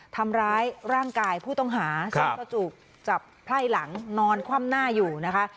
ทำร้ายร่างกายผู้ต้องหาใช้กระจุกจับไพ่หลังนอนคว่ำหน้าอยู่นะคะ